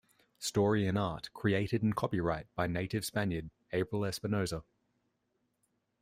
Story and Art, Created and Copyright by native Spaniard, Abril Espinosa.